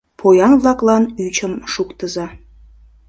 Поян-влаклан ӱчым шуктыза!..